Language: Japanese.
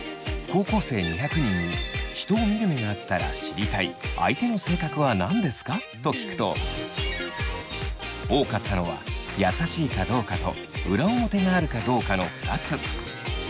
高校生２００人に人を見る目があったら知りたい相手の性格は何ですか？と聞くと多かったのは優しいかどうかと裏表があるかどうかの２つ。